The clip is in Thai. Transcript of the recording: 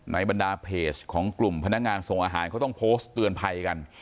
บรรดาเพจของกลุ่มพนักงานส่งอาหารเขาต้องโพสต์เตือนภัยกัน